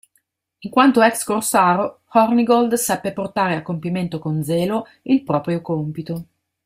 In quanto ex corsaro, Hornigold seppe portare a compimento con zelo il proprio compito.